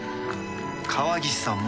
川岸さんも。